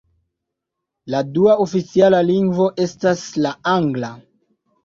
La dua oficiala lingvo estas la angla.